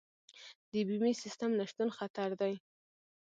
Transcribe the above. د بیمې سیستم نشتون خطر دی.